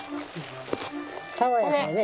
爽やかでね。